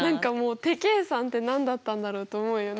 手計算って何だったんだろう？って思うよね。